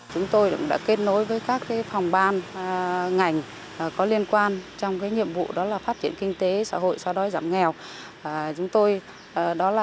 chúng tôi đã kết nối với các phòng ban ngành có liên quan trong nhiệm vụ phát triển kinh tế xã hội sau đó giảm nghèo